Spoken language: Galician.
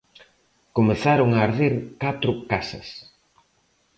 Comezaron a arder catro casas.